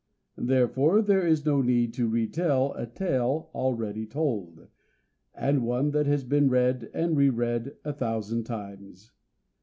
Therefore there is no need to re tell a tale already told, and one that has been read and re read a thousand times.